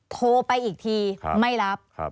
โทรไปอีกทีไม่รับ